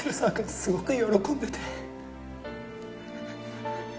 すごく喜んでて